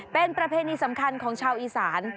เป็นประเพณีสำคัญของชาวอีสาน